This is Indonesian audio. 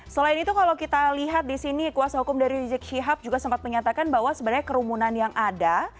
selain itu kalau kita lihat di sini kuhp juga sempat menyatakan bahwa sebenarnya kerumunan yang ada